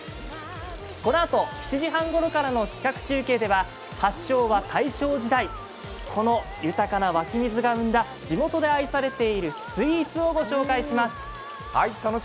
このあと、７時半ごろからの企画中継では、発祥は大正時代この豊かな湧き水が生んだ地元で愛されているスイーツをご紹介します。